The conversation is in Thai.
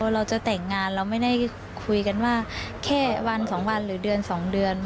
เราจะแต่งงานเราไม่ได้คุยกันว่าแค่วัน๒วันหรือเดือน๒เดือน